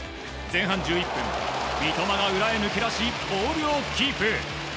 前半１１分三笘が裏へ抜け出しボールをキープ。